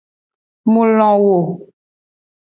Mu lo wo.